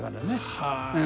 はあ。